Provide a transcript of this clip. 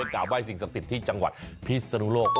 กราบไห้สิ่งศักดิ์สิทธิ์ที่จังหวัดพิศนุโลก